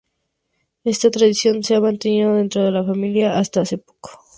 Esta tradición se ha mantenido dentro de la "familia" hasta hace poco.